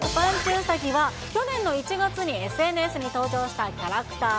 うさぎは、去年の１月にＳＮＳに登場したキャラクター。